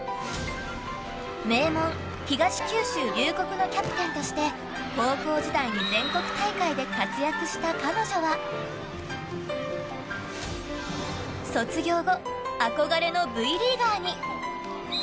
名門・東九州龍谷のキャプテンとして高校時代に全国大会で活躍した彼女は卒業後、憧れのＶリーガーに。